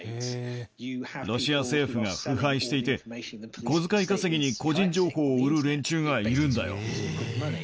ロシア政府が腐敗していて、小遣い稼ぎに個人情報を売る連中がいるんだよ。